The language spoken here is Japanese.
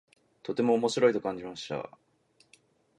とても面白いと感じました。